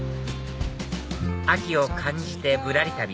秋を感じてぶらり旅